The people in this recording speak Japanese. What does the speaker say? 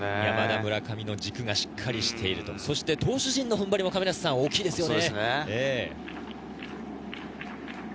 村上の軸がしっかりしているし投手陣の軸も大きいですよね。